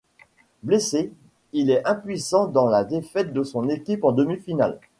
Blessé, il est impuissant dans la défaite de son équipe en demi-finale.